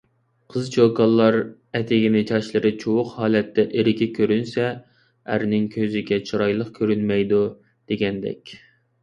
قىز-چوكانلار ئەتىگىنى چاچلىرى چۇۋۇق ھالەتتە ئېرىگە كۆرۈنسە، ئەرنىڭ كۆزىگە چىرايلىق كۆرۈنمەيدۇ، دېگەندەك.